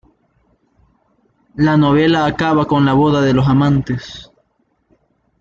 La novela acaba con la boda de los amantes.